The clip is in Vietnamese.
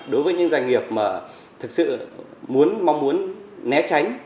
đối với những doanh nghiệp mà thực sự mong muốn né tránh